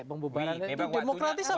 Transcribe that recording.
itu demokratis atau tidak